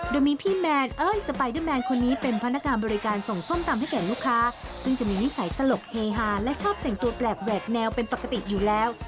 โดยมีพี่แมนเอ้ยสไปเดอร์แมนคนนี้เป็นพนักงานบริการส่งส้มตำให้แก่ลูกค้าซึ่งจะมีนิสัยตลกเฮฮาและชอบแต่งตัวแปลกแหวกแนวเป็นปกติอยู่แล้ว